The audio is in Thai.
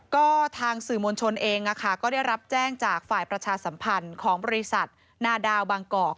ก็ทางสื่อมวลชนเองก็ได้รับแจ้งจากฝ่ายประชาสัมพันธ์ของบริษัทนาดาวบางกอก